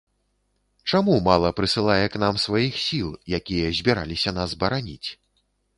Чаму мала прысылае к нам сваіх сіл, якія збіраліся нас бараніць.